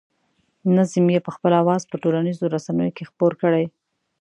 نظم یې په خپل اواز په ټولنیزو رسنیو کې خپور کړی.